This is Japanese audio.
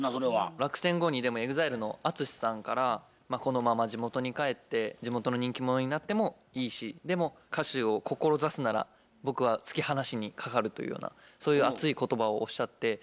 落選後にでもＥＸＩＬＥのＡＴＳＵＳＨＩさんからこのまま地元に帰って地元の人気者になってもいいしでも歌手を志すなら僕は突き放しにかかるというようなそういう熱い言葉をおっしゃって。